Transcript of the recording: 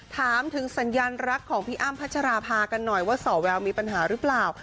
ถามถึงสัญญาณรักของพี่อ้ำพัชราภากันหน่อยว่าสอแววมีปัญหาหรือเปล่า